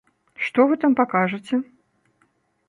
Што вы там пакажаце?